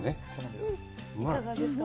いかがですか？